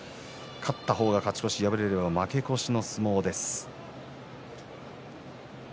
勝った方が勝ち越し敗れると負け越しの相撲です。